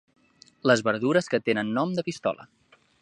Les verdures que tenen nom de pistola.